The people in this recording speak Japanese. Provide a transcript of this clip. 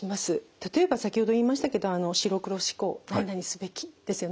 例えば先ほど言いましたけど白黒思考何々すべきですよね。